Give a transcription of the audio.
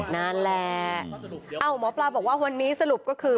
นั่นแหละเอ้าหมอปลาบอกว่าวันนี้สรุปก็คือ